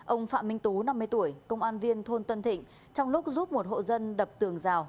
ông phạm minh tú năm mươi tuổi công an viên thôn tân thịnh trong lúc giúp một hộ dân đập tường rào